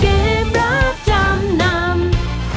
เกมรับจำนำ